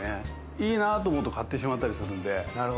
いいなと思うと買ってしまったりするんで。